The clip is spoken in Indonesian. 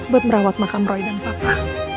buat merawat makam roy dan papa